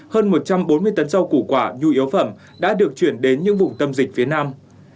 hơn một trăm bốn mươi tấn rau củ quả nhu yếu phẩm đã được chuyển đến những vùng tâm dịch phía nam